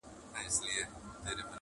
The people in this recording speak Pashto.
همېشه په ښو نمرو کامیابېدله,